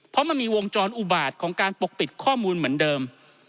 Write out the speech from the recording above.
เพราะมันมีวงจรอุบาตของการปกปิดข้อมูลเหมือนเดิม